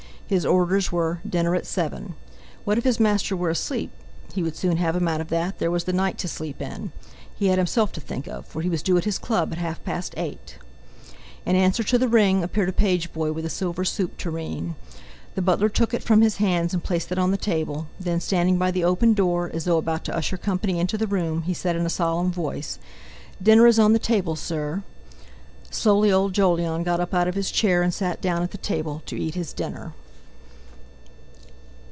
His orders were "dinner at seven." What if his master were asleep; he would soon have him out of that; there was the night to sleep in! He had himself to think of, for he was due at his Club at half past eight! In answer to the ring, appeared a page boy with a silver soup tureen. The butler took it from his hands and placed it on the table, then, standing by the open door, as though about to usher company into the room, he said in a solemn voice: "Dinner is on the table, sir!" Slowly old Jolyon got up out of his chair, and sat down at the table to eat his dinner.